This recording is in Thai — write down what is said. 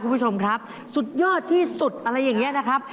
คุณผู้ชมครับสุดยอดที่สุดอะไรอย่างนี้นะครับ